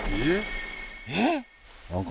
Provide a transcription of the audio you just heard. えっ？